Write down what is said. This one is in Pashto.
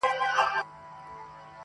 درد لا هم هماغسې پاتې دی,